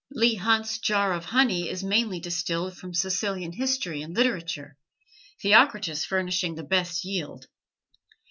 Leigh Hunt's "Jar of Honey" is mainly distilled from Sicilian history and literature, Theocritus furnishing the best yield.